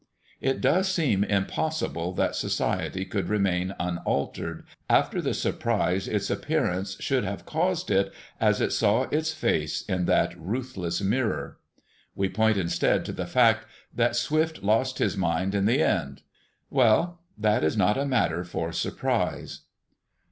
It does seem impossible that society could remain unaltered, after the surprise its appearance should have caused it as it saw its face in that ruthless mirror. We point instead to the fact that Swift lost his mind in the end. Well, that is not a matter for surprise.